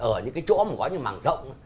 ở những cái chỗ mà có những màng rộng